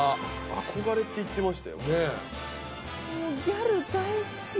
憧れって言ってましたよ。